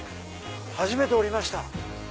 初めて降りました。